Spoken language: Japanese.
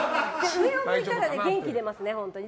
上を向いたら元気出ますね、本当に。